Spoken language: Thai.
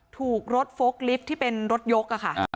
ถูกรถโฟล์กลิฟท์ที่เป็นรถยกอะค่ะ